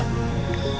menjadi manusia biasa